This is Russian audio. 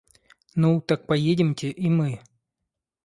Ну, так поедемте и мы.